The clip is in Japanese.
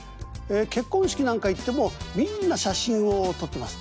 結婚式なんか行ってもみんな写真を撮ってます。